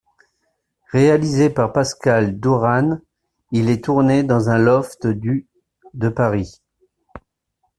Réalisé par Pascal d'Hoeraene, il est tourné dans un loft du de Paris.